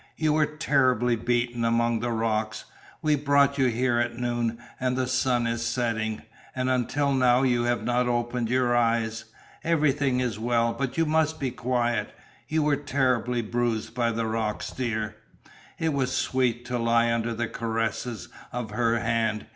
You were terribly beaten among the rocks. We brought you here at noon, and the sun is setting and until now you have not opened your eyes. Everything is well. But you must be quiet. You were terribly bruised by the rocks, dear." It was sweet to lie under the caresses of her hand.